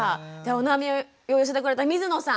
お悩みを寄せてくれた水野さん